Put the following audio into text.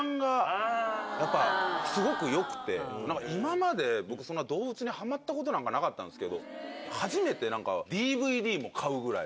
今まで僕そんな動物にはまったことなんかなかったんですけど初めてＤＶＤも買うぐらい。